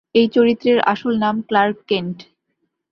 এই চরিত্রের আসল নাম ক্লার্ক কেন্ট।